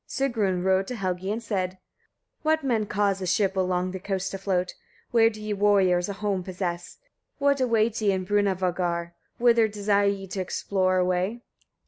Sigrun rode to Helgi, and said: 4. What men cause a ship along the coasts to float? where do ye warriors a home possess? what await ye in Brunavagar? whither desire ye to explore a way?